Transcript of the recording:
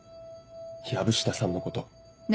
薮下さんのこと。